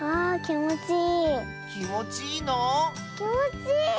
きもちいい！